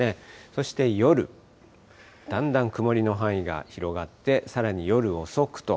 そして夜、だんだん曇りの範囲が広がって、さらに夜遅くと。